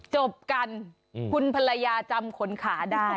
จบกันคุณภรรยาจำขนขาได้